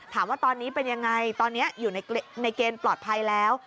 ถามว่าตอนนี้เป็นยังไงตอนนี้อยู่ในเกณฑ์ปลอดภัยแล้ว